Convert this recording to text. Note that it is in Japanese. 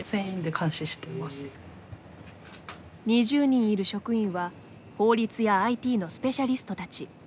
２０人いる職員は法律やＩＴのスペシャリストたち。